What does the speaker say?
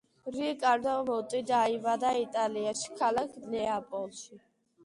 რიკარდო მუტი დაიბადა იტალიაში, ქალაქ ნეაპოლში.